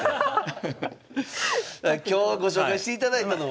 今日ご紹介していただいたのは。